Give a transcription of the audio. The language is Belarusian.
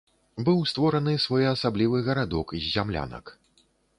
Быў створаны своеасаблівы гарадок з зямлянак.